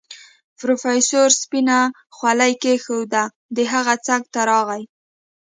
پروفيسر سپينه خولۍ کېښوده د هغه څنګ ته راغی.